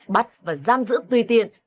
bắt và giam giữ tùy tiện